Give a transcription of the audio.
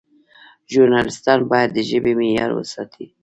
ژورنالیستان باید د ژبې معیار وساتي.